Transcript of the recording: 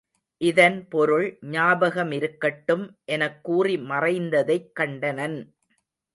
இதன் பொருள் ஞாபகமிருக்கட்டும் எனக் கூறி மறைந்ததைக் கண்டனன்.